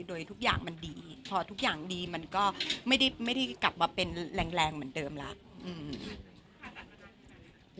โดยทุกอย่างมันดีพอทุกอย่างดีมันก็ไม่ได้กลับมาเป็นแรงเหมือนเดิมแล้ว